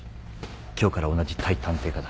今日から同じ対探偵課だ。